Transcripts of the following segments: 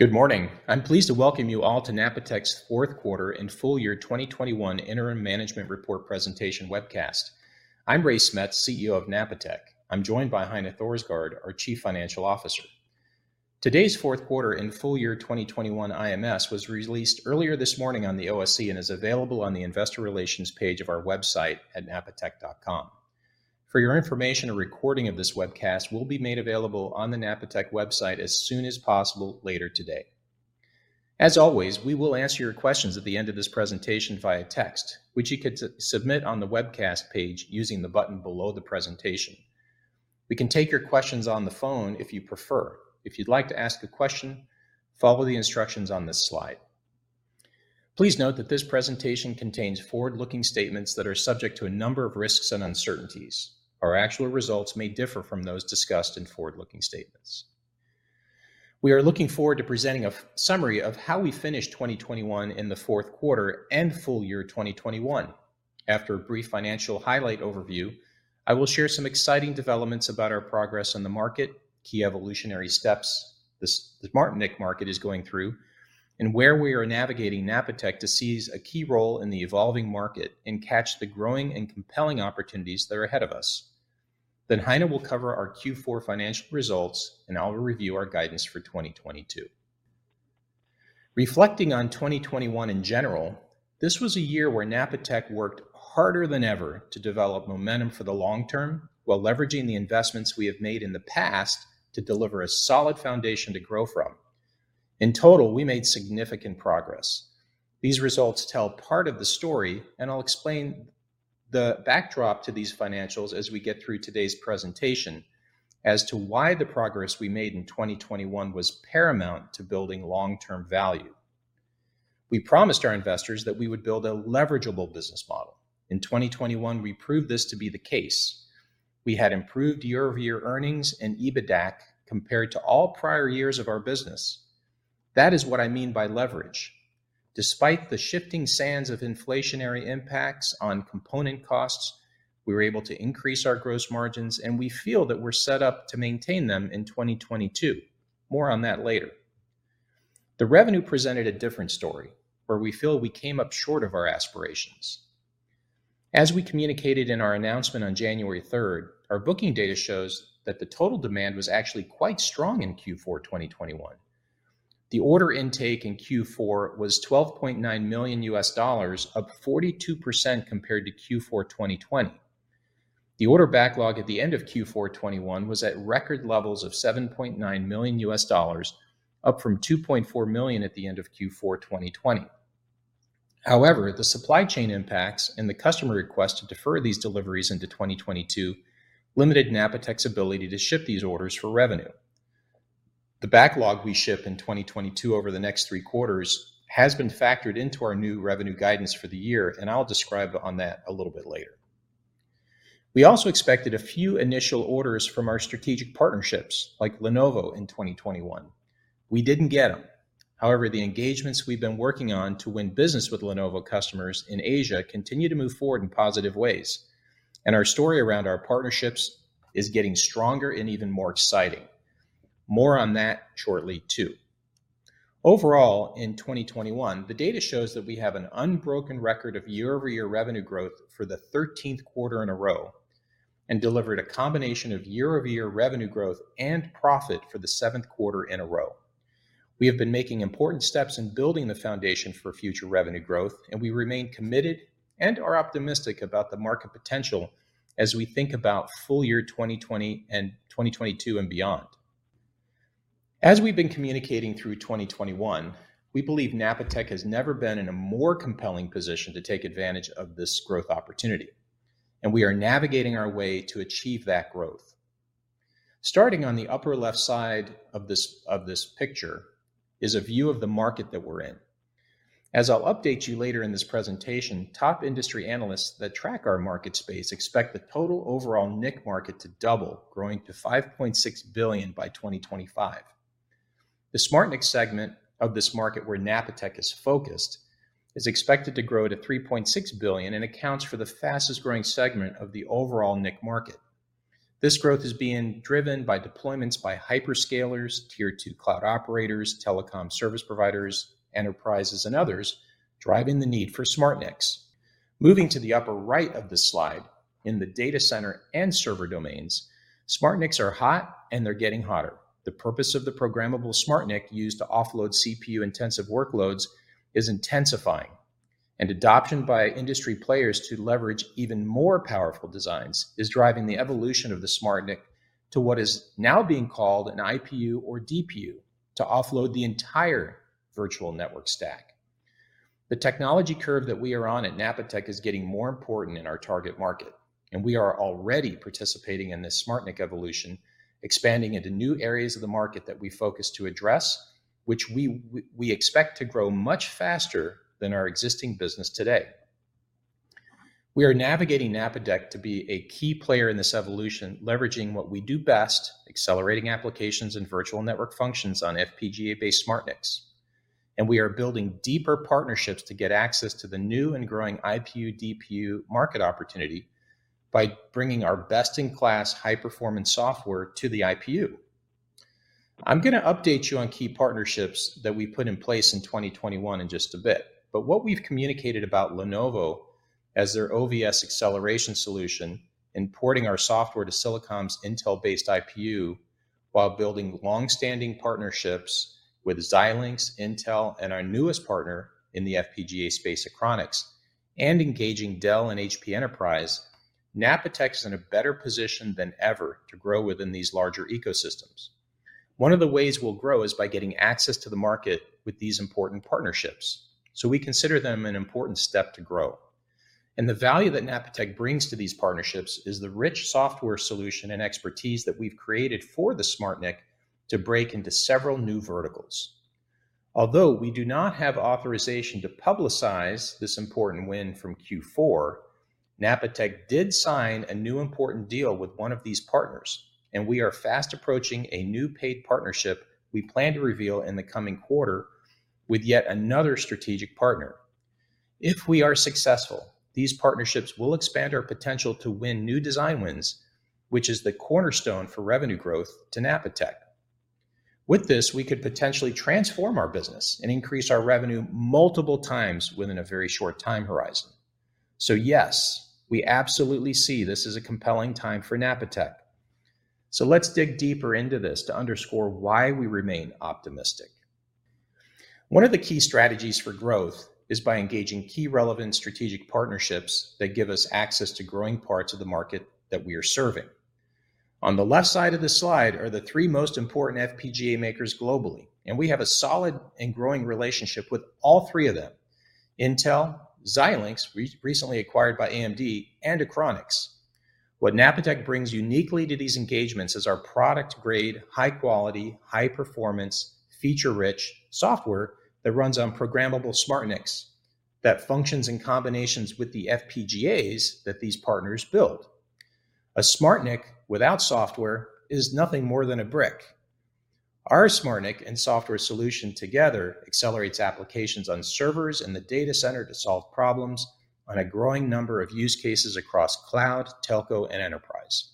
Good morning. I'm pleased to welcome you all to Napatech's fourth quarter and full year 2021 interim management report presentation webcast. I'm Ray Smets, CEO of Napatech. I'm joined by Heine Thorsgaard, our Chief Financial Officer. Today's fourth quarter and full year 2021 IMS was released earlier this morning on the OSE and is available on the investor relations page of our website at napatech.com. For your information, a recording of this webcast will be made available on the Napatech website as soon as possible later today. As always, we will answer your questions at the end of this presentation via text, which you could submit on the webcast page using the button below the presentation. We can take your questions on the phone if you prefer. If you'd like to ask a question, follow the instructions on this slide. Please note that this presentation contains forward-looking statements that are subject to a number of risks and uncertainties. Our actual results may differ from those discussed in forward-looking statements. We are looking forward to presenting a summary of how we finished 2021 in the fourth quarter and full year 2021. After a brief financial highlight overview, I will share some exciting developments about our progress in the market, key evolutionary steps the SmartNIC market is going through, and where we are navigating Napatech to seize a key role in the evolving market and catch the growing and compelling opportunities that are ahead of us. Heine will cover our Q4 financial results, and I'll review our guidance for 2022. Reflecting on 2021 in general, this was a year where Napatech worked harder than ever to develop momentum for the long term while leveraging the investments we have made in the past to deliver a solid foundation to grow from. In total, we made significant progress. These results tell part of the story, and I'll explain the backdrop to these financials as we get through today's presentation as to why the progress we made in 2021 was paramount to building long-term value. We promised our investors that we would build a leverageable business model. In 2021, we proved this to be the case. We had improved year-over-year earnings and EBITDA compared to all prior years of our business. That is what I mean by leverage. Despite the shifting sands of inflationary impacts on component costs, we were able to increase our gross margins, and we feel that we're set up to maintain them in 2022. More on that later. The revenue presented a different story, where we feel we came up short of our aspirations. As we communicated in our announcement on January 3rd, our booking data shows that the total demand was actually quite strong in Q4 2021. The order intake in Q4 was $12.9 million, up 42% compared to Q4 2020. The order backlog at the end of Q4 2021 was at record levels of $7.9 million, up from $2.4 million at the end of Q4 2020. However, the supply chain impacts and the customer request to defer these deliveries into 2022 limited Napatech's ability to ship these orders for revenue. The backlog we ship in 2022 over the next three quarters has been factored into our new revenue guidance for the year, and I'll describe on that a little bit later. We also expected a few initial orders from our strategic partnerships, like Lenovo in 2021. We didn't get them. However, the engagements we've been working on to win business with Lenovo customers in Asia continue to move forward in positive ways, and our story around our partnerships is getting stronger and even more exciting. More on that shortly too. Overall, in 2021, the data shows that we have an unbroken record of year-over-year revenue growth for the 13th quarter in a row and delivered a combination of year-over-year revenue growth and profit for the 7th quarter in a row. We have been making important steps in building the foundation for future revenue growth, and we remain committed and are optimistic about the market potential as we think about full year 2020 and 2022 and beyond. As we've been communicating through 2021, we believe Napatech has never been in a more compelling position to take advantage of this growth opportunity, and we are navigating our way to achieve that growth. Starting on the upper left side of this picture is a view of the market that we're in. As I'll update you later in this presentation, top industry analysts that track our market space expect the total overall NIC market to double, growing to $5.6 billion by 2025. The SmartNIC segment of this market where Napatech is focused is expected to grow to $3.6 billion and accounts for the fastest growing segment of the overall NIC market. This growth is being driven by deployments by hyperscalers, tier two cloud operators, telecom service providers, enterprises, and others, driving the need for SmartNICs. Moving to the upper right of the slide, in the data center and server domains, SmartNICs are hot, and they're getting hotter. The purpose of the programmable SmartNIC used to offload CPU-intensive workloads is intensifying, and adoption by industry players to leverage even more powerful designs is driving the evolution of the SmartNIC to what is now being called an IPU or DPU to offload the entire virtual network stack. The technology curve that we are on at Napatech is getting more important in our target market, and we are already participating in this SmartNIC evolution, expanding into new areas of the market that we focus to address, which we expect to grow much faster than our existing business today. We are navigating Napatech to be a key player in this evolution, leveraging what we do best, accelerating applications and virtual network functions on FPGA-based SmartNICs. We are building deeper partnerships to get access to the new and growing IPU/DPU market opportunity by bringing our best-in-class high-performance software to the IPU. I'm gonna update you on key partnerships that we put in place in 2021 in just a bit, but what we've communicated about Lenovo as their OVS acceleration solution and porting our software to Silicom's Intel-based IPU while building long-standing partnerships with Xilinx, Intel, and our newest partner in the FPGA space, Achronix, and engaging Dell and Hewlett Packard Enterprise, Napatech's in a better position than ever to grow within these larger ecosystems. One of the ways we'll grow is by getting access to the market with these important partnerships, so we consider them an important step to grow. The value that Napatech brings to these partnerships is the rich software solution and expertise that we've created for the SmartNIC to break into several new verticals. Although we do not have authorization to publicize this important win from Q4, Napatech did sign a new important deal with one of these partners, and we are fast approaching a new paid partnership we plan to reveal in the coming quarter with yet another strategic partner. If we are successful, these partnerships will expand our potential to win new design wins, which is the cornerstone for revenue growth to Napatech. With this, we could potentially transform our business and increase our revenue multiple times within a very short time horizon. Yes, we absolutely see this as a compelling time for Napatech. Let's dig deeper into this to underscore why we remain optimistic. One of the key strategies for growth is by engaging key relevant strategic partnerships that give us access to growing parts of the market that we are serving. On the left side of this slide are the three most important FPGA makers globally, and we have a solid and growing relationship with all three of them: Intel, Xilinx, recently acquired by AMD, and Achronix. What Napatech brings uniquely to these engagements is our product-grade, high-quality, high-performance, feature-rich software that runs on programmable SmartNICs that functions in combinations with the FPGAs that these partners build. A SmartNIC without software is nothing more than a brick. Our SmartNIC and software solution together accelerates applications on servers in the data center to solve problems on a growing number of use cases across cloud, telco, and enterprise.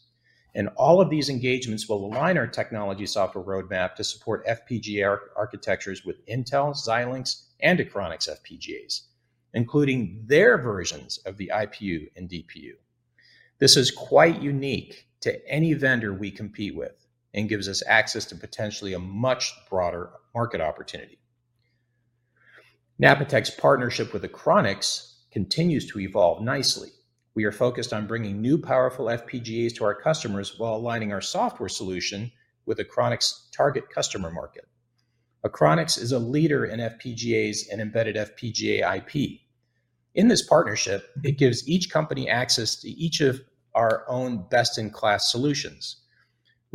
All of these engagements will align our technology software roadmap to support FPGA architectures with Intel, Xilinx, and Achronix FPGAs, including their versions of the IPU and DPU. This is quite unique to any vendor we compete with and gives us access to potentially a much broader market opportunity. Napatech's partnership with Achronix continues to evolve nicely. We are focused on bringing new powerful FPGAs to our customers while aligning our software solution with Achronix target customer market. Achronix is a leader in FPGAs and embedded FPGA IP. In this partnership, it gives each company access to each of our own best-in-class solutions.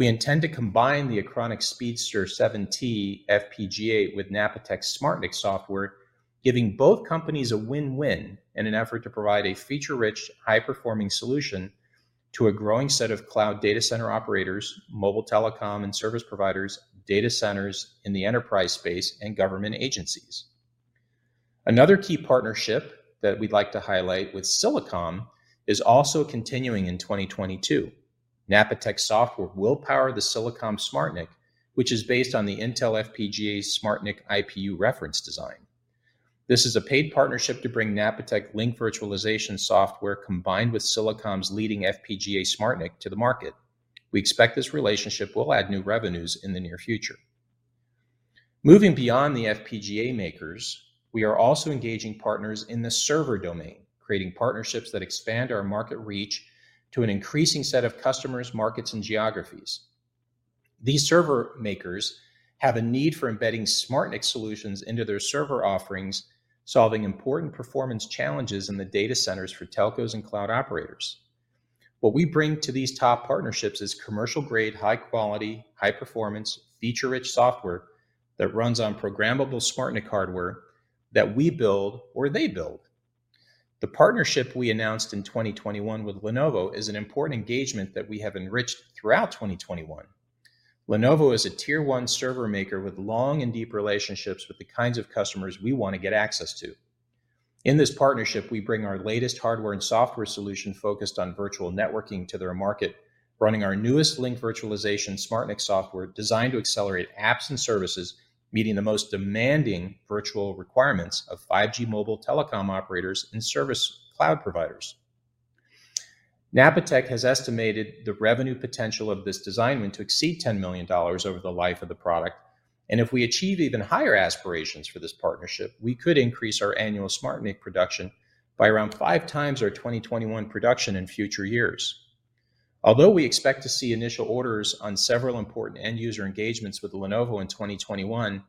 We intend to combine the Achronix Speedster7t FPGA with Napatech SmartNIC software, giving both companies a win-win in an effort to provide a feature-rich, high-performing solution to a growing set of cloud data center operators, mobile telecom, and service providers, data centers in the enterprise space, and government agencies. Another key partnership that we'd like to highlight with Silicom is also continuing in 2022. Napatech software will power the Silicom SmartNIC, which is based on the Intel FPGA SmartNIC IPU reference design. This is a paid partnership to bring Napatech Link-Virtualization software combined with Silicom's leading FPGA SmartNIC to the market. We expect this relationship will add new revenues in the near future. Moving beyond the FPGA makers, we are also engaging partners in the server domain, creating partnerships that expand our market reach to an increasing set of customers, markets, and geographies. These server makers have a need for embedding SmartNIC solutions into their server offerings, solving important performance challenges in the data centers for telcos and cloud operators. What we bring to these top partnerships is commercial-grade, high-quality, high-performance, feature-rich software that runs on programmable SmartNIC hardware that we build or they build. The partnership we announced in 2021 with Lenovo is an important engagement that we have enriched throughout 2021. Lenovo is a tier one server maker with long and deep relationships with the kinds of customers we wanna get access to. In this partnership, we bring our latest hardware and software solution focused on virtual networking to their market, running our newest Link-Virtualization SmartNIC software designed to accelerate apps and services meeting the most demanding virtual requirements of 5G mobile telecom operators and service cloud providers. Napatech has estimated the revenue potential of this design win to exceed $10 million over the life of the product, and if we achieve even higher aspirations for this partnership, we could increase our annual SmartNIC production by around five times our 2021 production in future years. Although we expect to see initial orders on several important end user engagements with Lenovo in 2021,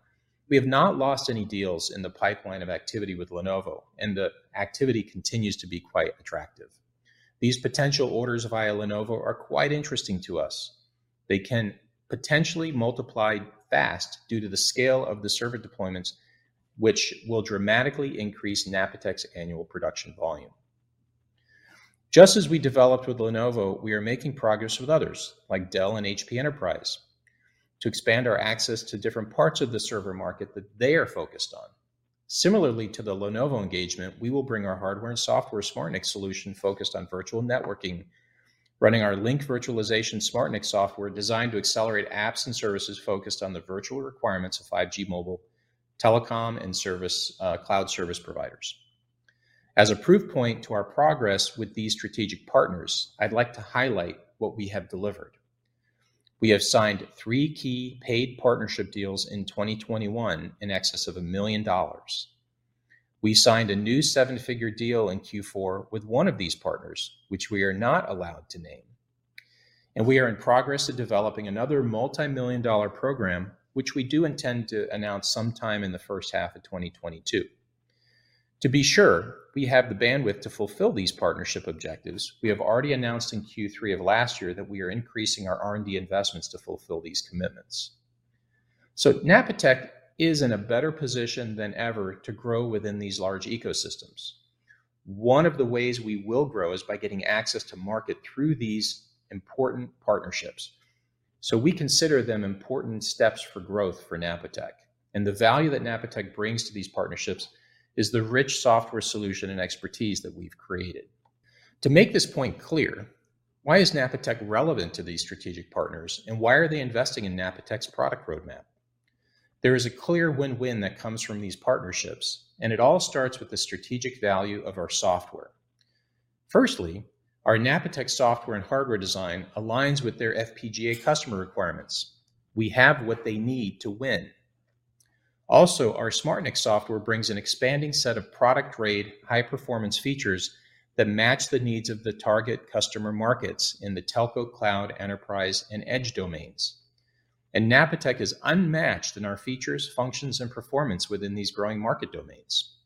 we have not lost any deals in the pipeline of activity with Lenovo, and the activity continues to be quite attractive. These potential orders via Lenovo are quite interesting to us. They can potentially multiply fast due to the scale of the server deployments, which will dramatically increase Napatech's annual production volume. Just as we developed with Lenovo, we are making progress with others like Dell and Hewlett Packard Enterprise to expand our access to different parts of the server market that they are focused on. Similarly to the Lenovo engagement, we will bring our hardware and software SmartNIC solution focused on virtual networking, running our Link-Virtualization SmartNIC software designed to accelerate apps and services focused on the virtual requirements of 5G mobile telecom and service, cloud service providers. As a proof point to our progress with these strategic partners, I'd like to highlight what we have delivered. We have signed three key paid partnership deals in 2021 in excess of $1 million. We signed a new seven-figure deal in Q4 with one of these partners, which we are not allowed to name, and we are in progress of developing another multi-million dollar program, which we do intend to announce sometime in the first half of 2022. To be sure we have the bandwidth to fulfill these partnership objectives, we have already announced in Q3 of last year that we are increasing our R&D investments to fulfill these commitments. Napatech is in a better position than ever to grow within these large ecosystems. One of the ways we will grow is by getting access to market through these important partnerships, so we consider them important steps for growth for Napatech. The value that Napatech brings to these partnerships is the rich software solution and expertise that we've created. To make this point clear, why is Napatech relevant to these strategic partners, and why are they investing in Napatech's product roadmap? There is a clear win-win that comes from these partnerships, and it all starts with the strategic value of our software. Firstly, our Napatech software and hardware design aligns with their FPGA customer requirements. We have what they need to win. Also, our SmartNIC software brings an expanding set of production-grade, high performance features that match the needs of the target customer markets in the telco, cloud, enterprise and edge domains. Napatech is unmatched in our features, functions and performance within these growing market domains.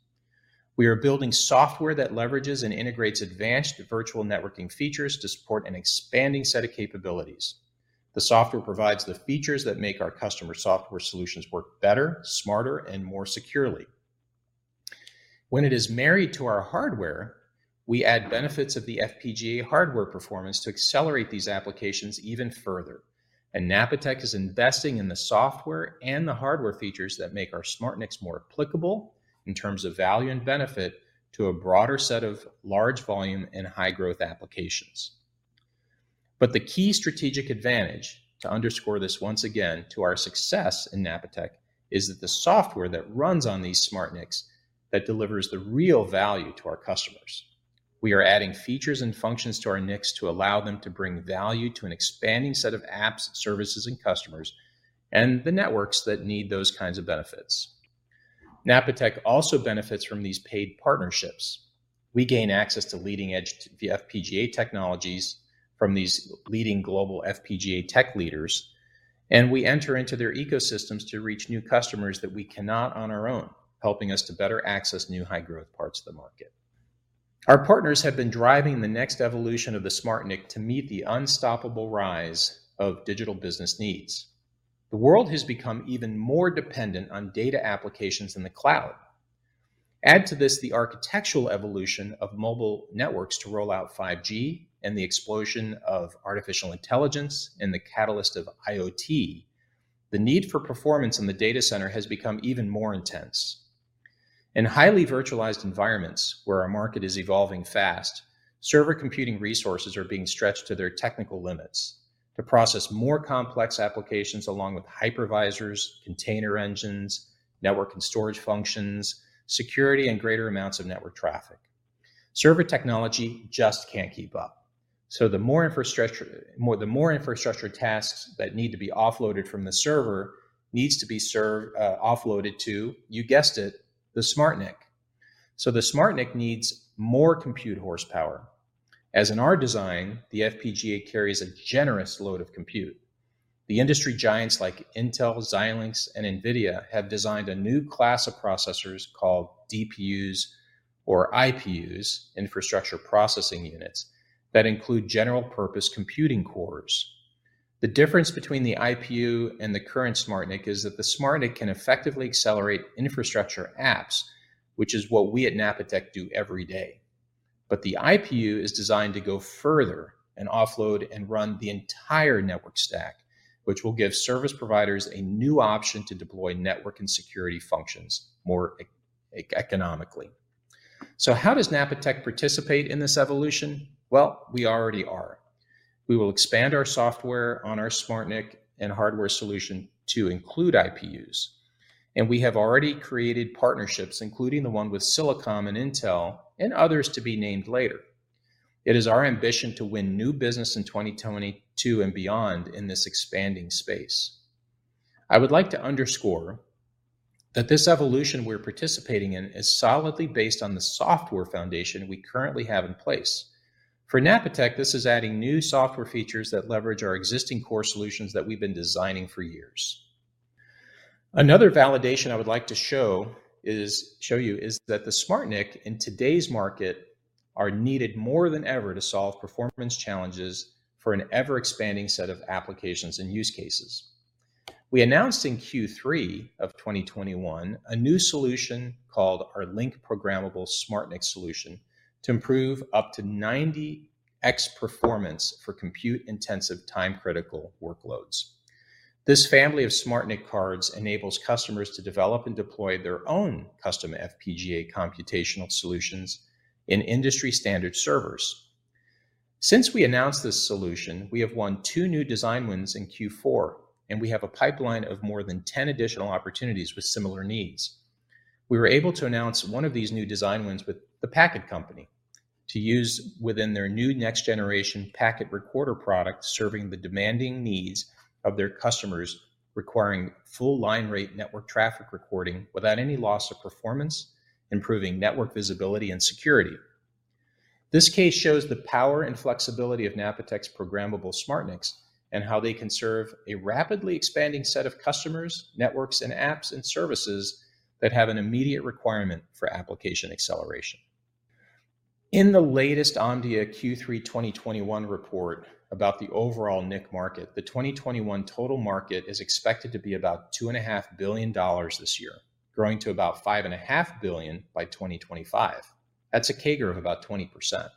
We are building software that leverages and integrates advanced virtual networking features to support an expanding set of capabilities. The software provides the features that make our customer software solutions work better, smarter, and more securely. When it is married to our hardware, we add benefits of the FPGA hardware performance to accelerate these applications even further. Napatech is investing in the software and the hardware features that make our SmartNICs more applicable in terms of value and benefit to a broader set of large volume and high growth applications. The key strategic advantage, to underscore this once again, to our success in Napatech, is that the software that runs on these SmartNICs that delivers the real value to our customers. We are adding features and functions to our NICs to allow them to bring value to an expanding set of apps, services and customers and the networks that need those kinds of benefits. Napatech also benefits from these paid partnerships. We gain access to leading edge FPGA technologies from these leading global FPGA tech leaders, and we enter into their ecosystems to reach new customers that we cannot on our own, helping us to better access new high growth parts of the market. Our partners have been driving the next evolution of the SmartNIC to meet the unstoppable rise of digital business needs. The world has become even more dependent on data applications in the cloud. Add to this the architectural evolution of mobile networks to roll out 5G and the explosion of artificial intelligence and the catalyst of IoT, the need for performance in the data center has become even more intense. In highly virtualized environments where our market is evolving fast, server computing resources are being stretched to their technical limits to process more complex applications, along with hypervisors, container engines, network and storage functions, security and greater amounts of network traffic. Server technology just can't keep up, so the more infrastructure tasks that need to be offloaded from the server needs to be offloaded to, you guessed it, the SmartNIC. The SmartNIC needs more compute horsepower as in our design, the FPGA carries a generous load of compute. The industry giants like Intel, Xilinx and Nvidia have designed a new class of processors called DPUs or IPUs, infrastructure processing units, that include general purpose computing cores. The difference between the IPU and the current SmartNIC is that the SmartNIC can effectively accelerate infrastructure apps, which is what we at Napatech do every day. The IPU is designed to go further and offload and run the entire network stack, which will give service providers a new option to deploy network and security functions more economically. How does Napatech participate in this evolution? Well, we already are. We will expand our software on our SmartNIC and hardware solution to include IPUs, and we have already created partnerships, including the one with Silicom and Intel and others to be named later. It is our ambition to win new business in 2022 and beyond in this expanding space. I would like to underscore that this evolution we're participating in is solidly based on the software foundation we currently have in place. For Napatech, this is adding new software features that leverage our existing core solutions that we've been designing for years. Another validation I would like to show you is that the SmartNIC in today's market are needed more than ever to solve performance challenges for an ever-expanding set of applications and use cases. We announced in Q3 of 2021 a new solution called our Link-Programmable SmartNIC solution to improve up to 90x performance for compute-intensive time-critical workloads. This family of SmartNIC cards enables customers to develop and deploy their own custom FPGA computational solutions in industry-standard servers. Since we announced this solution, we have won two new design wins in Q4, and we have a pipeline of more than 10 additional opportunities with similar needs. We were able to announce one of these new design wins with The Packet Company to use within their new next-generation Packet Recorder product, serving the demanding needs of their customers requiring full line rate network traffic recording without any loss of performance, improving network visibility and security. This case shows the power and flexibility of Napatech's programmable SmartNICs and how they can serve a rapidly expanding set of customers, networks and apps and services that have an immediate requirement for application acceleration. In the latest Omdia Q3 2021 report about the overall NIC market, the 2021 total market is expected to be about $2.5 billion this year, growing to about $5.5 billion by 2025. That's a CAGR of about 20%.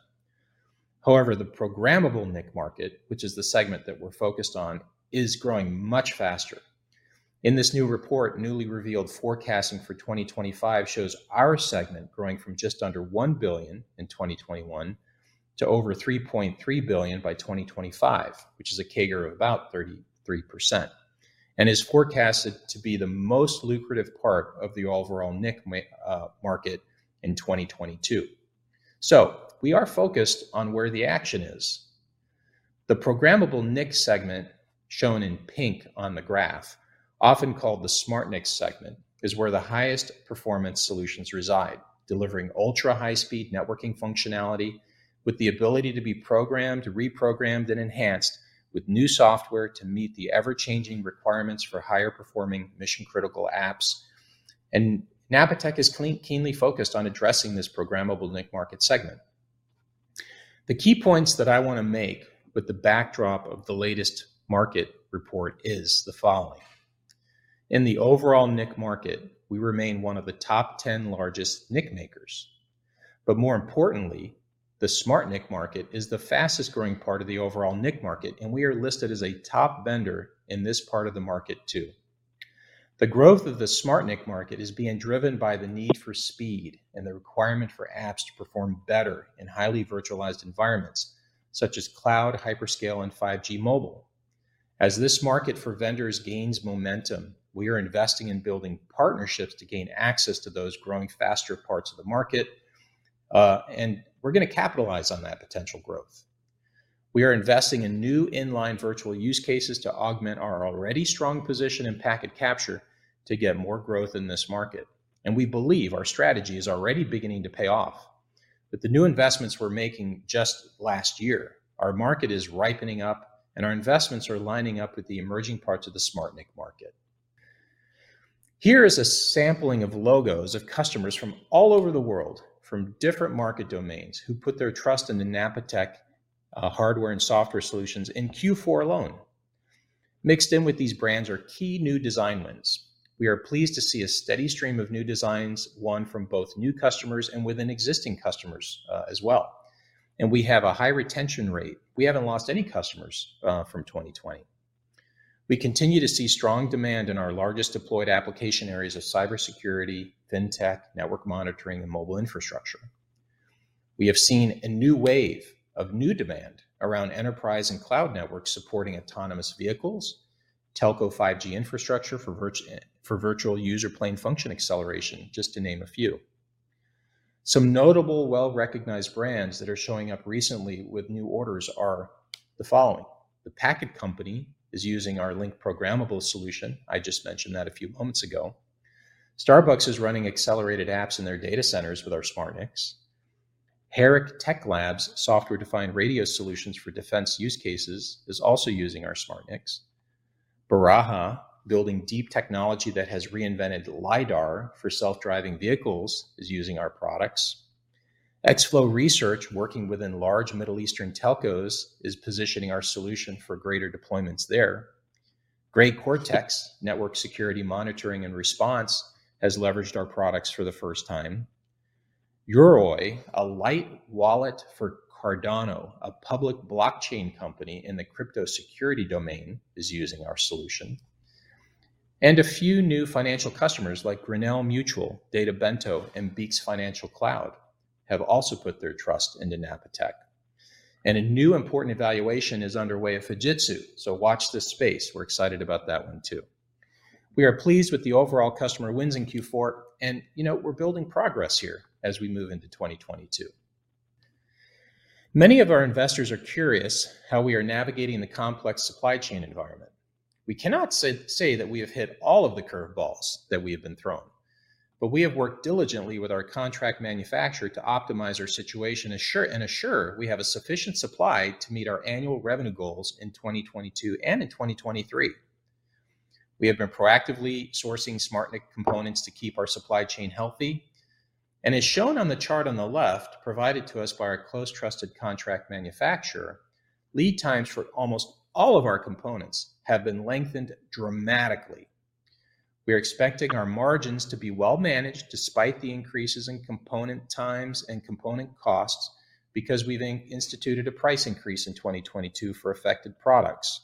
However, the programmable NIC market, which is the segment that we're focused on, is growing much faster. In this new report, newly revealed forecasting for 2025 shows our segment growing from just under $1 billion in 2021 to over $3.3 billion by 2025, which is a CAGR of about 33%, and is forecasted to be the most lucrative part of the overall NIC market in 2022. We are focused on where the action is. The programmable NIC segment shown in pink on the graph, often called the SmartNIC segment, is where the highest performance solutions reside, delivering ultra-high speed networking functionality with the ability to be programmed, reprogrammed and enhanced with new software to meet the ever-changing requirements for higher performing mission-critical apps. Napatech is keenly focused on addressing this programmable NIC market segment. The key points that I want to make with the backdrop of the latest market report is the following. In the overall NIC market, we remain one of the top 10 largest NIC makers. More importantly, the SmartNIC market is the fastest growing part of the overall NIC market, and we are listed as a top vendor in this part of the market too. The growth of the SmartNIC market is being driven by the need for speed and the requirement for apps to perform better in highly virtualized environments such as cloud, hyperscale, and 5G mobile. As this market for vendors gains momentum, we are investing in building partnerships to gain access to those growing faster parts of the market, and we're gonna capitalize on that potential growth. We are investing in new inline virtual use cases to augment our already strong position in packet capture to get more growth in this market, and we believe our strategy is already beginning to pay off. With the new investments we're making just last year, our market is ripening up and our investments are lining up with the emerging parts of the SmartNIC market. Here is a sampling of logos of customers from all over the world from different market domains who put their trust in the Napatech hardware and software solutions in Q4 alone. Mixed in with these brands are key new design wins. We are pleased to see a steady stream of new designs won from both new customers and within existing customers as well. We have a high retention rate. We haven't lost any customers from 2020. We continue to see strong demand in our largest deployed application areas of cybersecurity, fintech, network monitoring, and mobile infrastructure. We have seen a new wave of new demand around enterprise and cloud networks supporting autonomous vehicles, telco 5G infrastructure for virtual user plane function acceleration, just to name a few. Some notable, well-recognized brands that are showing up recently with new orders are the following. The Packet Company is using our Link-Programmable solution. I just mentioned that a few moments ago. Starbucks is running accelerated apps in their data centers with our SmartNICs. Herrick Technology Laboratories' software-defined radio solutions for defense use cases is also using our SmartNICs. Baraja, building deep technology that has reinvented lidar for self-driving vehicles, is using our products. EXFO, working within large Middle Eastern telcos, is positioning our solution for greater deployments there. GreyCortex network security monitoring and response has leveraged our products for the first time. Yoroi, a light wallet for Cardano, a public blockchain company in the crypto security domain, is using our solution. A few new financial customers like Grinnell Mutual, Databento, and Beeks Financial Cloud have also put their trust into Napatech. A new important evaluation is underway at Fujitsu, so watch this space. We're excited about that one too. We are pleased with the overall customer wins in Q4, and, you know, we're building progress here as we move into 2022. Many of our investors are curious how we are navigating the complex supply chain environment. We cannot say that we have hit all of the curveballs that we have been thrown, but we have worked diligently with our contract manufacturer to optimize our situation and assure we have a sufficient supply to meet our annual revenue goals in 2022 and in 2023. We have been proactively sourcing SmartNIC components to keep our supply chain healthy. As shown on the chart on the left provided to us by our close trusted contract manufacturer, lead times for almost all of our components have been lengthened dramatically. We're expecting our margins to be well-managed despite the increases in component times and component costs because we've instituted a price increase in 2022 for affected products.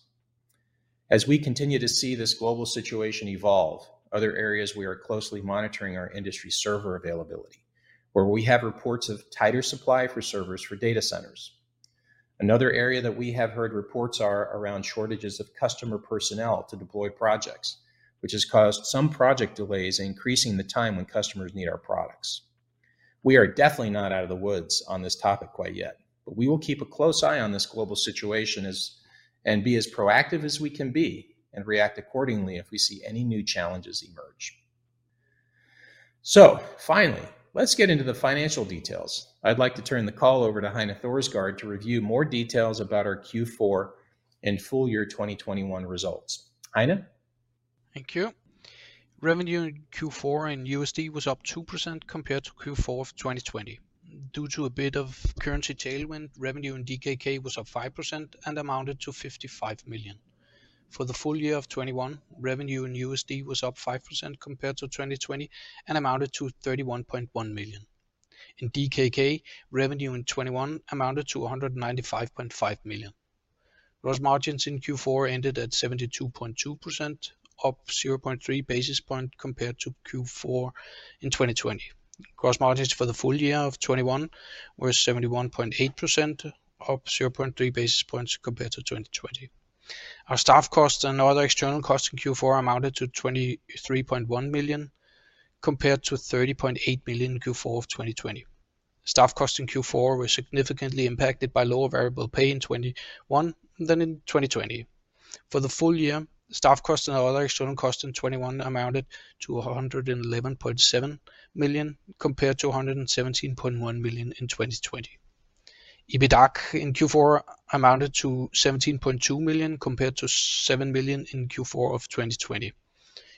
As we continue to see this global situation evolve, other areas we are closely monitoring are industry server availability, where we have reports of tighter supply for servers for data centers. Another area that we have heard reports of is around shortages of customer personnel to deploy projects, which has caused some project delays, increasing the time when customers need our products. We are definitely not out of the woods on this topic quite yet, but we will keep a close eye on this global situation and be as proactive as we can be and react accordingly if we see any new challenges emerge. Finally, let's get into the financial details. I'd like to turn the call over to Heine Thorsgaard to review more details about our Q4 and full year 2021 results. Heine. Thank you. Revenue in Q4 in USD was up 2% compared to Q4 of 2020. Due to a bit of currency tailwind, revenue in DKK was up 5% and amounted to 55 million. For the full year of 2021, revenue in USD was up 5% compared to 2020 and amounted to $31.1 million. In DKK, revenue in 2021 amounted to 195.5 million. Gross margins in Q4 ended at 72.2%, up 0.3 basis point compared to Q4 in 2020. Gross margins for the full year of 2021 were 71.8%, up 0.3 basis points compared to 2020. Our staff costs and other external costs in Q4 amounted to 23.1 million, compared to 30.8 million in Q4 of 2020. Staff costs in Q4 were significantly impacted by lower variable pay in 2021 than in 2020. For the full year, staff costs and other external costs in 2021 amounted to 111.7 million, compared to 117.1 million in 2020. EBITDAC in Q4 amounted to 17.2 million, compared to 7 million in Q4 of 2020.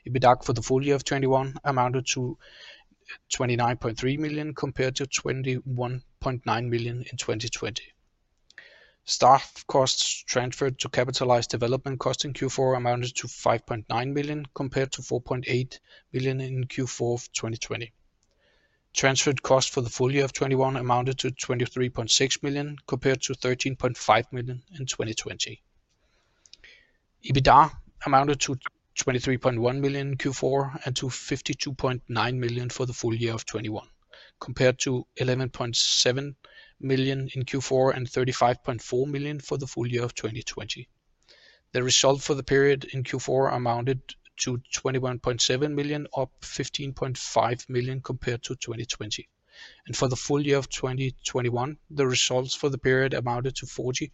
EBITDAC for the full year of 2021 amounted to 29.3 million, compared to 21.9 million in 2020. Staff costs transferred to capitalized development costs in Q4 amounted to 5.9 million, compared to 4.8 million in Q4 of 2020. Transferred costs for the full year of 2021 amounted to 23.6 million, compared to 13.5 million in 2020. EBITDA amounted to 23.1 million in Q4 and to 52.9 million for the full year of 2021, compared to 11.7 million in Q4 and 35.4 million for the full year of 2020. The result for the period in Q4 amounted to 21.7 million, up 15.5 million compared to 2020. For the full year of 2021, the results for the period amounted to 40.2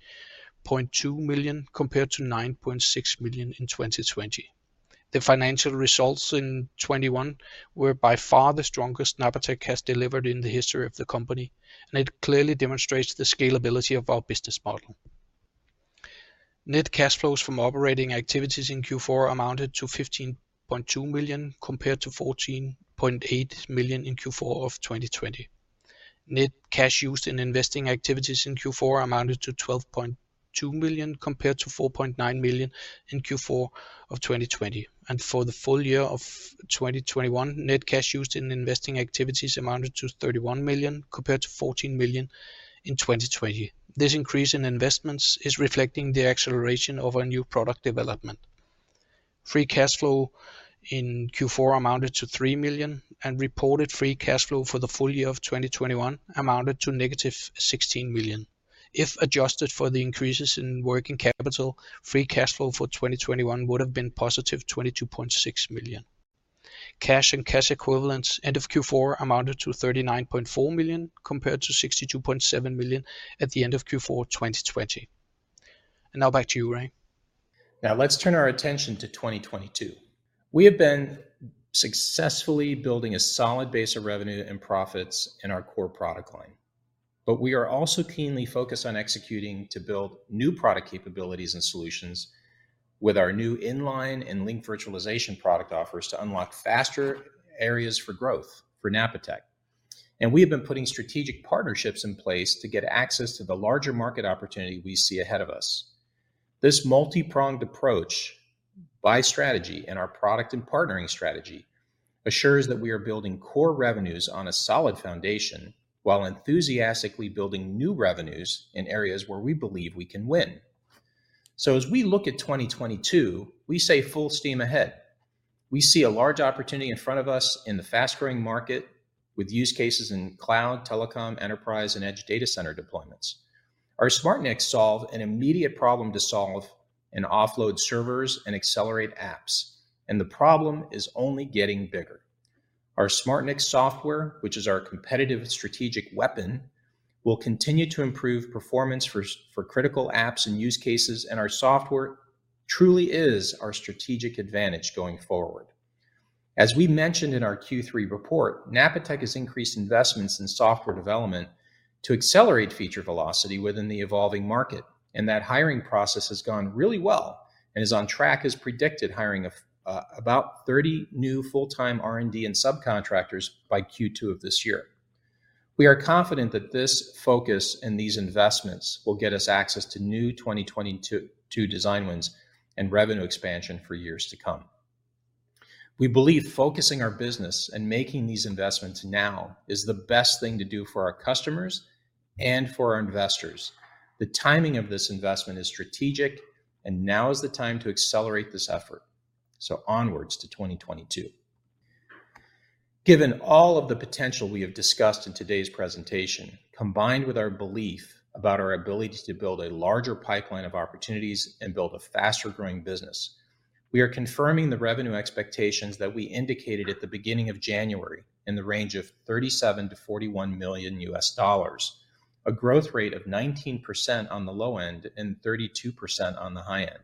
million, compared to 9.6 million in 2020. The financial results in 2021 were by far the strongest Napatech has delivered in the history of the company, and it clearly demonstrates the scalability of our business model. Net cash flows from operating activities in Q4 amounted to 15.2 million, compared to 14.8 million in Q4 of 2020. Net cash used in investing activities in Q4 amounted to 12.2 million, compared to 4.9 million in Q4 of 2020. For the full year of 2021, net cash used in investing activities amounted to 31 million, compared to 14 million in 2020. This increase in investments is reflecting the acceleration of our new product development. Free cash flow in Q4 amounted to 3 million, and reported free cash flow for the full year of 2021 amounted to -16 million. If adjusted for the increases in working capital, free cash flow for 2021 would have been positive 22.6 million. Cash and cash equivalents end of Q4 amounted to 39.4 million, compared to 62.7 million at the end of Q4 2020. Now back to you, Ray. Now let's turn our attention to 2022. We have been successfully building a solid base of revenue and profits in our core product line. We are also keenly focused on executing to build new product capabilities and solutions with our new inline and link virtualization product offers to unlock faster areas for growth for Napatech. We have been putting strategic partnerships in place to get access to the larger market opportunity we see ahead of us. This multi-pronged approach by strategy and our product and partnering strategy assures that we are building core revenues on a solid foundation while enthusiastically building new revenues in areas where we believe we can win. As we look at 2022, we say full steam ahead. We see a large opportunity in front of us in the fast-growing market with use cases in cloud, telecom, enterprise, and edge data center deployments. Our SmartNICs solve an immediate problem to solve and offload servers and accelerate apps, and the problem is only getting bigger. Our SmartNIC software, which is our competitive strategic weapon, will continue to improve performance for critical apps and use cases, and our software truly is our strategic advantage going forward. As we mentioned in our Q3 report, Napatech has increased investments in software development to accelerate feature velocity within the evolving market, and that hiring process has gone really well and is on track as predicted, hiring of about 30 new full-time R&D and subcontractors by Q2 of this year. We are confident that this focus and these investments will get us access to new 2022 design wins and revenue expansion for years to come. We believe focusing our business and making these investments now is the best thing to do for our customers and for our investors. The timing of this investment is strategic, and now is the time to accelerate this effort. Onwards to 2022. Given all of the potential we have discussed in today's presentation, combined with our belief about our ability to build a larger pipeline of opportunities and build a faster-growing business, we are confirming the revenue expectations that we indicated at the beginning of January in the range of $37 million-$41 million, a growth rate of 19% on the low end and 32% on the high end.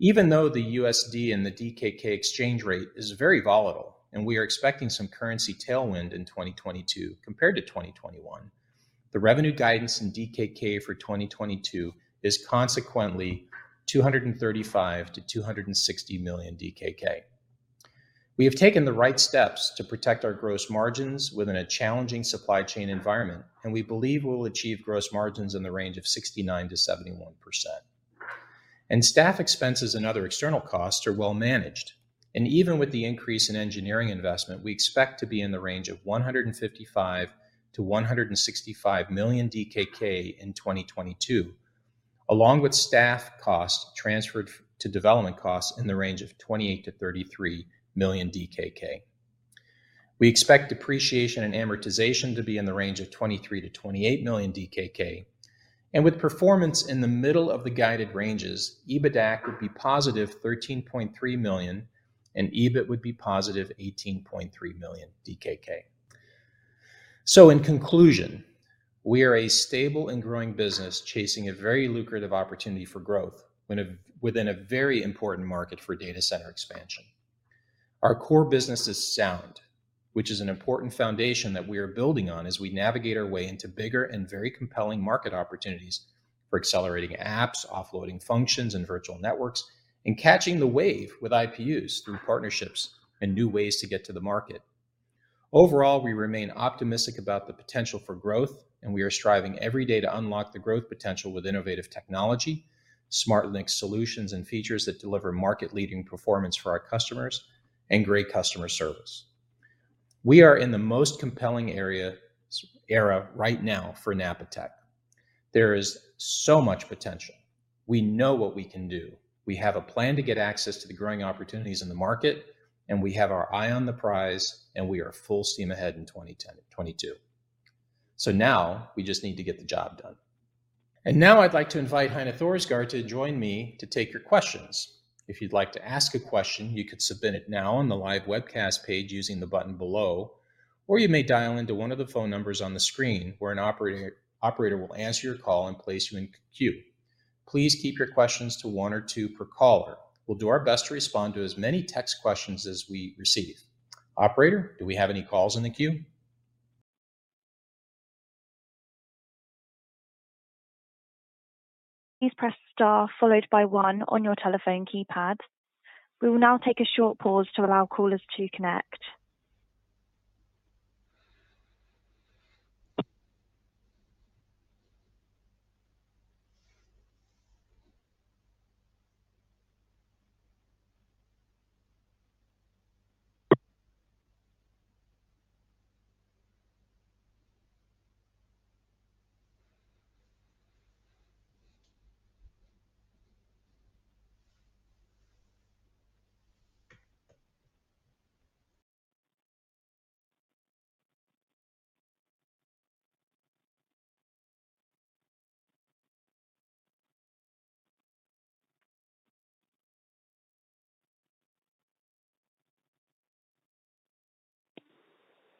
Even though the USD and the DKK exchange rate is very volatile and we are expecting some currency tailwind in 2022 compared to 2021, the revenue guidance in DKK for 2022 is consequently 235 million-260 million DKK. We have taken the right steps to protect our gross margins within a challenging supply chain environment, and we believe we'll achieve gross margins in the range of 69%-71%. Staff expenses and other external costs are well managed. Even with the increase in engineering investment, we expect to be in the range of 155 million-165 million DKK in 2022, along with staff costs transferred to development costs in the range of 28 million-33 million DKK. We expect depreciation and amortization to be in the range of 23 million-28 million DKK. With performance in the middle of the guided ranges, EBITDA would be positive 13.3 million, and EBIT would be positive 18.3 million DKK. In conclusion, we are a stable and growing business chasing a very lucrative opportunity for growth within a very important market for data center expansion. Our core business is sound, which is an important foundation that we are building on as we navigate our way into bigger and very compelling market opportunities for accelerating apps, offloading functions and virtual networks, and catching the wave with IPUs through partnerships and new ways to get to the market. Overall, we remain optimistic about the potential for growth, and we are striving every day to unlock the growth potential with innovative technology, SmartNIC solutions and features that deliver market-leading performance for our customers, and great customer service. We are in the most compelling era right now for Napatech. There is so much potential. We know what we can do. We have a plan to get access to the growing opportunities in the market, and we have our eye on the prize, and we are full steam ahead in 2022. Now we just need to get the job done. Now I'd like to invite Heine Thorsgaard to join me to take your questions. If you'd like to ask a question, you could submit it now on the live webcast page using the button below, or you may dial in to one of the phone numbers on the screen, where an operator will answer your call and place you in queue. Please keep your questions to one or two per caller. We'll do our best to respond to as many text questions as we receive. Operator, do we have any calls in the queue? Please press star followed by one on your telephone keypad. We will now take a short pause to allow callers to connect.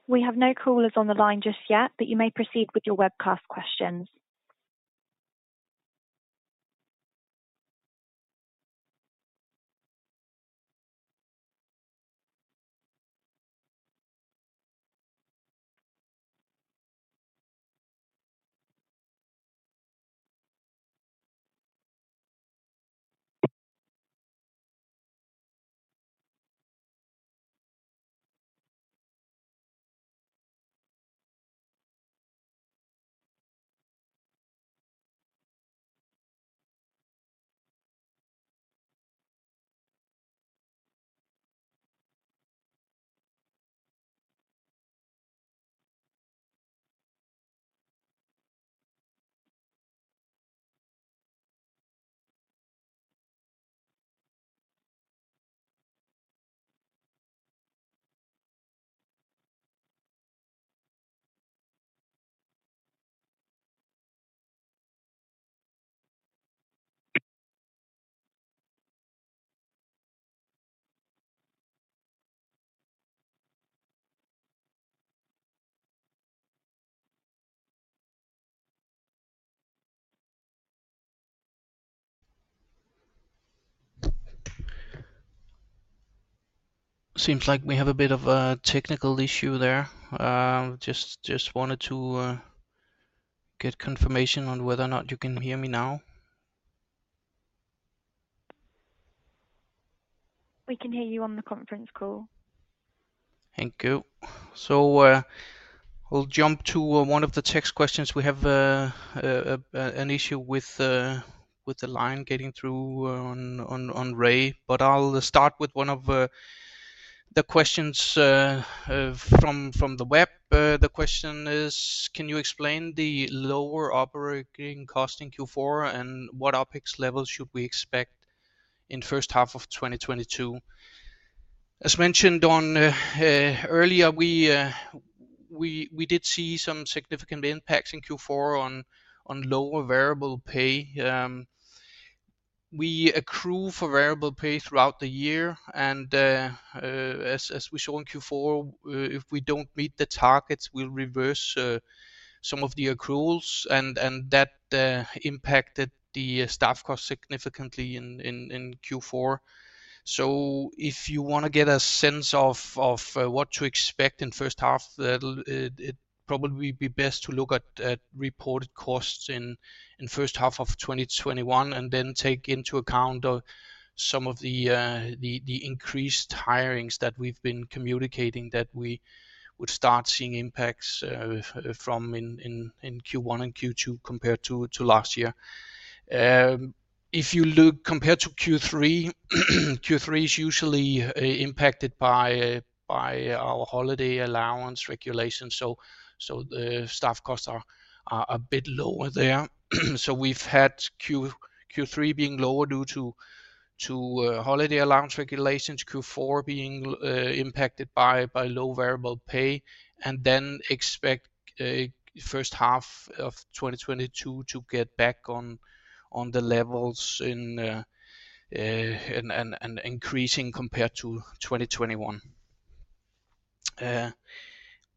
We have no callers on the line just yet, but you may proceed with your webcast questions. Seems like we have a bit of a technical issue there. Just wanted to get confirmation on whether or not you can hear me now. We can hear you on the conference call. Thank you. We'll jump to one of the text questions. We have an issue with the line getting through on Ray. I'll start with one of the questions from the web. The question is: Can you explain the lower operating cost in Q4, and what OpEx levels should we expect in first half of 2022? As mentioned earlier, we did see some significant impacts in Q4 on lower variable pay. We accrue for variable pay throughout the year and, as we show in Q4, if we don't meet the targets, we'll reverse some of the accruals and that impacted the staff cost significantly in Q4. If you wanna get a sense of what to expect in first half, it probably be best to look at reported costs in first half of 2021, and then take into account some of the increased hirings that we've been communicating that we would start seeing impacts from in Q1 and Q2 compared to last year. If you look compared to Q3 is usually impacted by our holiday allowance regulations, so the staff costs are a bit lower there. We've had Q3 being lower due to holiday allowance regulations, Q4 being impacted by low variable pay, and then expect first half of 2022 to get back on the levels and increasing compared to 2021.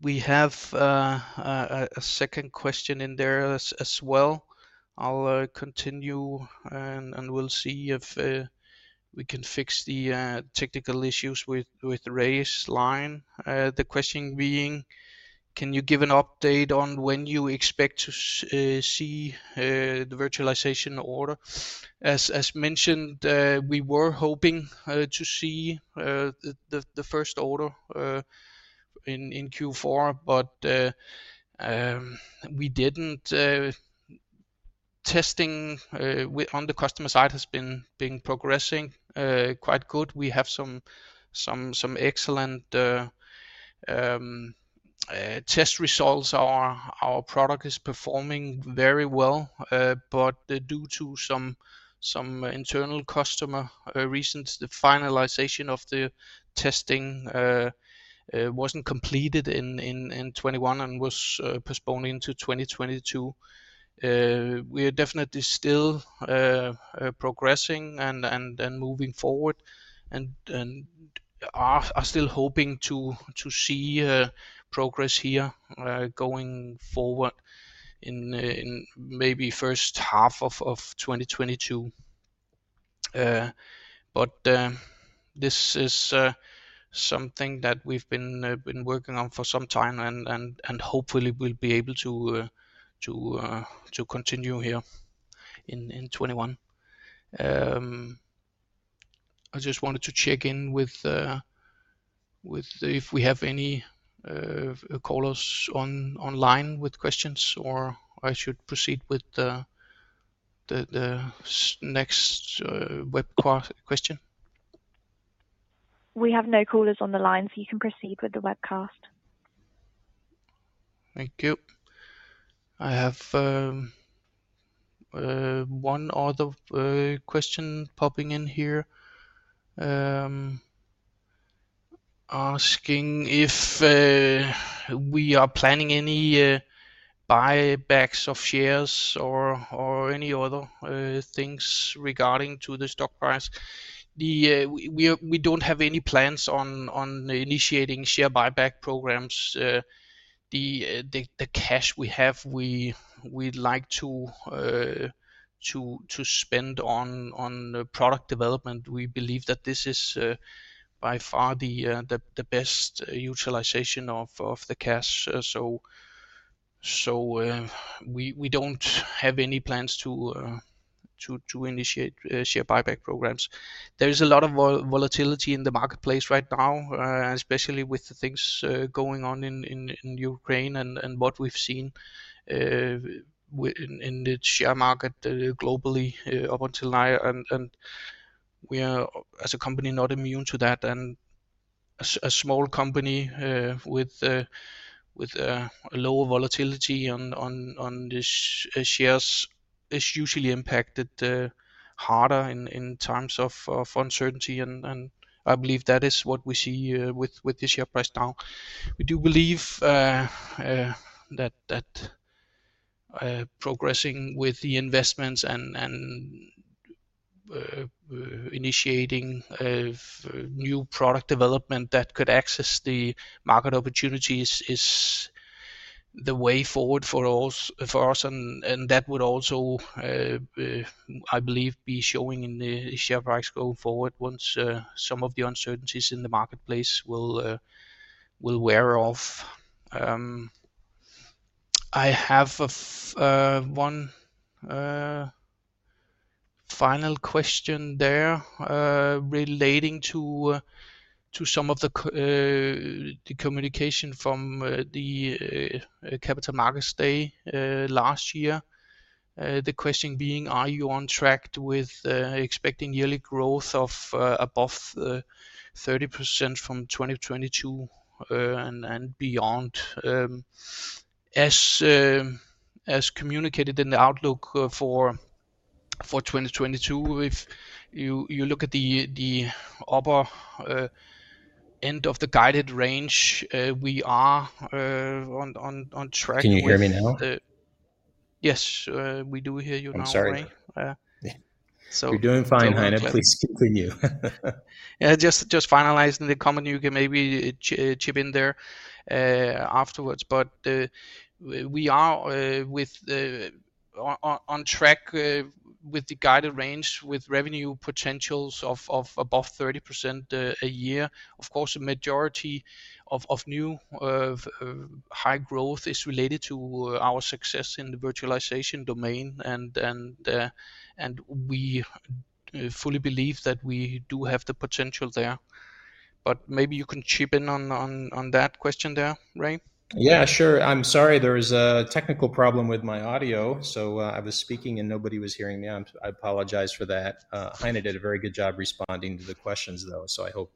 We have a second question in there as well. I'll continue and we'll see if we can fix the technical issues with Ray's line. The question being: Can you give an update on when you expect to see the virtualization order? As mentioned, we were hoping to see the first order in Q4, but we didn't. Testing on the customer side has been progressing quite good. We have some excellent test results. Our product is performing very well. Due to some internal customer reasons, the finalization of the testing wasn't completed in 2021 and was postponed into 2022. We are definitely still progressing and moving forward and are still hoping to see progress here going forward in maybe first half of 2022. This is something that we've been working on for some time and hopefully we'll be able to continue here in 2021. I just wanted to check in with if we have any callers online with questions, or I should proceed with the next webcast question. We have no callers on the line, so you can proceed with the webcast. Thank you. I have one other question popping in here asking if we are planning any buybacks of shares or any other things regarding to the stock price. We don't have any plans on initiating share buyback programs. The cash we have, we'd like to spend on product development. We believe that this is by far the best utilization of the cash. We don't have any plans to initiate share buyback programs. There is a lot of volatility in the marketplace right now, especially with the things going on in Ukraine and what we've seen in the share market globally up until now. We are as a company not immune to that. A small company with a lower volatility on the shares is usually impacted harder in times of uncertainty and I believe that is what we see with the share price now. We do believe that progressing with the investments and initiating new product development that could access the market opportunities is the way forward for us, and that would also, I believe, be showing in the share price going forward once some of the uncertainties in the marketplace will wear off. I have one final question there relating to some of the communication from the Capital Markets Day last year. The question being: Are you on track with expecting yearly growth of above 30% from 2022 and beyond? As communicated in the outlook for 2022, if you look at the upper end of the guided range, we are on track with- Can you hear me now? Yes. We do hear you now, Ray. I'm sorry. Uh. You're doing fine, Heine. Please continue. Yeah, just finalizing the comment. You can maybe chip in there afterwards. We are on track with the guided range with revenue potentials of above 30% a year. Of course, the majority of new high growth is related to our success in the virtualization domain and we fully believe that we do have the potential there. Maybe you can chip in on that question there, Ray. Yeah, sure. I'm sorry there was a technical problem with my audio. I was speaking and nobody was hearing me. I apologize for that. Heine did a very good job responding to the questions, though, so I hope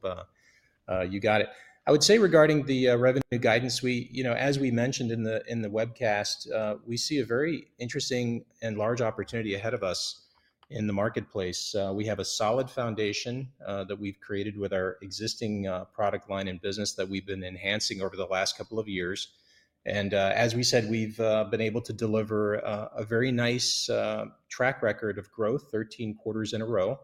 you got it. I would say regarding the revenue guidance, we. You know, as we mentioned in the webcast, we see a very interesting and large opportunity ahead of us in the marketplace. We have a solid foundation that we've created with our existing product line and business that we've been enhancing over the last couple of years. As we said, we've been able to deliver a very nice track record of growth, 13 quarters in a row,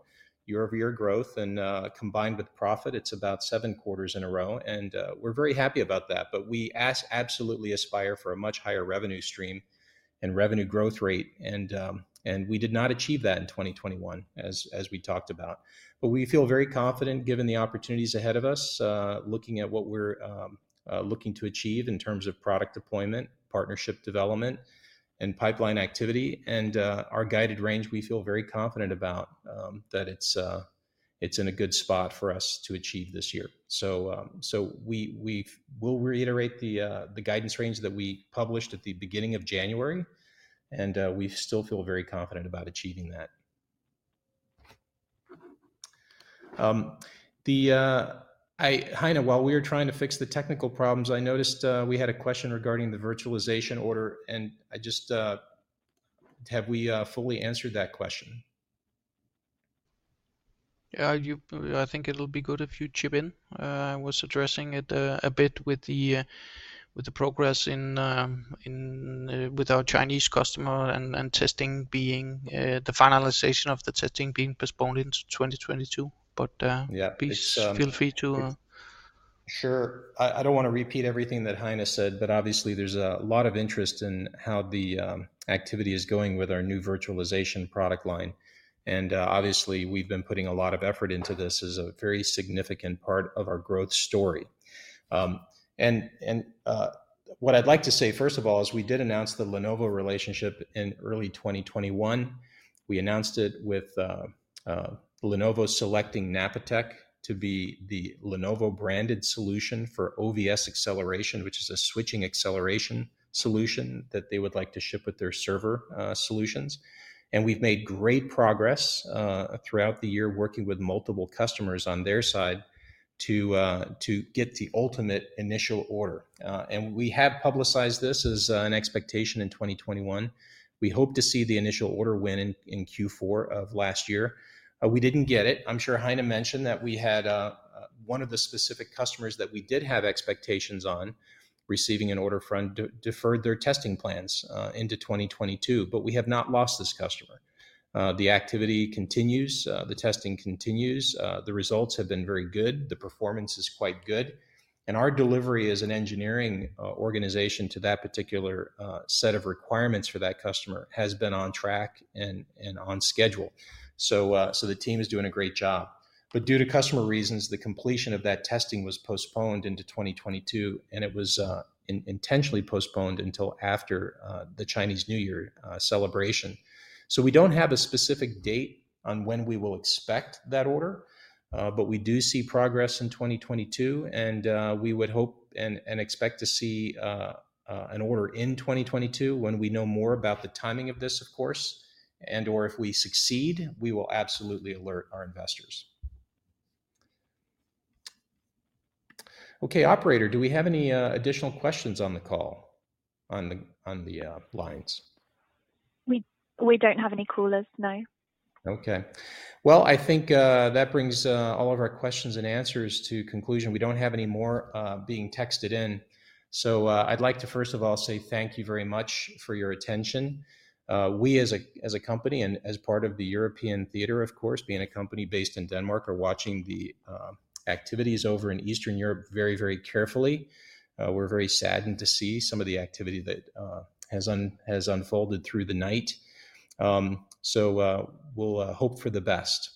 year-over-year growth and combined with profit, it's about seven quarters in a row, and we're very happy about that. We absolutely aspire for a much higher revenue stream and revenue growth rate and we did not achieve that in 2021 as we talked about. We feel very confident given the opportunities ahead of us, looking at what we're looking to achieve in terms of product deployment, partnership development, and pipeline activity. Our guided range, we feel very confident about, that it's in a good spot for us to achieve this year. We'll reiterate the guidance range that we published at the beginning of January, and we still feel very confident about achieving that. Heine, while we were trying to fix the technical problems, I noticed we had a question regarding the virtualization order, and I just, have we fully answered that question? I think it'll be good if you chip in. I was addressing it a bit with the progress with our Chinese customer and testing being the finalization of the testing being postponed into 2022. Yeah. It's Please feel free to. Sure. I don't wanna repeat everything that Heine said, but obviously there's a lot of interest in how the activity is going with our new virtualization product line. Obviously, we've been putting a lot of effort into this as a very significant part of our growth story. What I'd like to say, first of all, is we did announce the Lenovo relationship in early 2021. We announced it with Lenovo selecting Napatech to be the Lenovo-branded solution for OVS acceleration, which is a switching acceleration solution that they would like to ship with their server solutions. We've made great progress throughout the year working with multiple customers on their side to get the ultimate initial order. We have publicized this as an expectation in 2021. We hoped to see the initial order win in Q4 of last year. We didn't get it. I'm sure Heine mentioned that we had one of the specific customers that we did have expectations on receiving an order from deferred their testing plans into 2022, but we have not lost this customer. The activity continues. The testing continues. The results have been very good. The performance is quite good. Our delivery as an engineering organization to that particular set of requirements for that customer has been on track and on schedule. The team is doing a great job. Due to customer reasons, the completion of that testing was postponed into 2022, and it was intentionally postponed until after the Chinese New Year celebration. We don't have a specific date on when we will expect that order, but we do see progress in 2022, and we would hope and expect to see an order in 2022. When we know more about the timing of this, of course, and/or if we succeed, we will absolutely alert our investors. Okay, operator, do we have any additional questions on the call on the lines? We don't have any callers. No. Okay. Well, I think that brings all of our questions and answers to conclusion. We don't have any more being texted in. I'd like to first of all say thank you very much for your attention. We as a company and as part of the European theater, of course, being a company based in Denmark, are watching the activities over in Eastern Europe very, very carefully. We're very saddened to see some of the activity that has unfolded through the night. We'll hope for the best.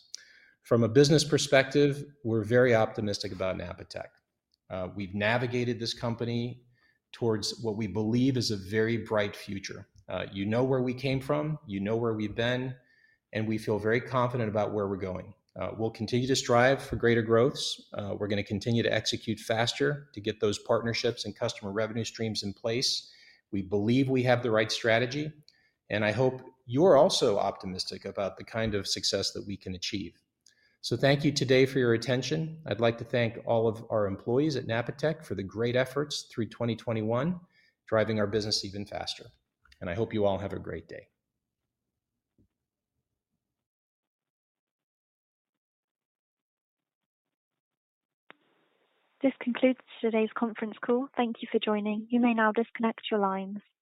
From a business perspective, we're very optimistic about Napatech. We've navigated this company towards what we believe is a very bright future. You know where we came from, you know where we've been, and we feel very confident about where we're going. We'll continue to strive for greater growths. We're gonna continue to execute faster to get those partnerships and customer revenue streams in place. We believe we have the right strategy, and I hope you're also optimistic about the kind of success that we can achieve. Thank you today for your attention. I'd like to thank all of our employees at Napatech for the great efforts through 2021, driving our business even faster. I hope you all have a great day. This concludes today's conference call. Thank you for joining. You may now disconnect your lines.